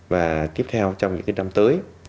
và tiếp theo trong những cái năm tới